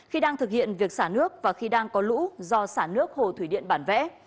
khi đang thực hiện việc xả nước và khi đang có lũ do xả nước hồ thủy điện bản vẽ